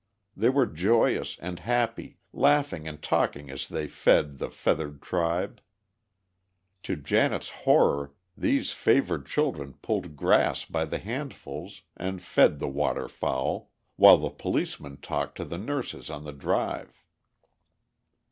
They were joyous and happy, laughing and talking as they fed the feathered tribe. To Janet's horror, these favored children pulled grass by the handfuls, and fed the waterfowl, while the policemen talked to the nurses on the drive.